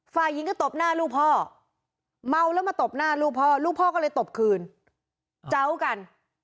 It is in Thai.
ฝ่ายหญิงก็ตบหน้าลูกพ่อเมาแล้วมาตบหน้าลูกพ่อลูกพ่อก็เลยตบคืนเจ้ากัน